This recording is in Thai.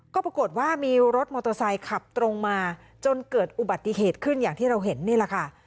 ก็ปรากฏว่ามีรถมอเตอร์ไซค์ขับตรงมาจนเกิดอุบัติเหตุขึ้นอย่างที่เราเห็นนี่แหละค่ะ